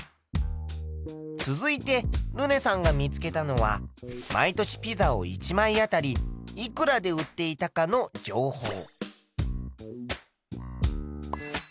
続いてルネさんが見つけたのは毎年ピザを１枚あたりいくらで売っていたかの情報。